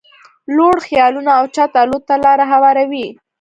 لوړ خيالونه اوچت الوت ته لاره هواروي.